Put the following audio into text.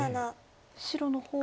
白の方が。